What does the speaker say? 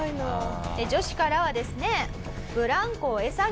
女子からはですね。